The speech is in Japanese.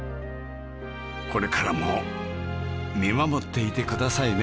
これからも見守っていてくださいね